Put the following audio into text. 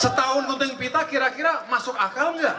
setahun gunting pita kira kira masuk akal nggak